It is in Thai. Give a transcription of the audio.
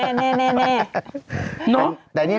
เป็นมัยโมกครับพี่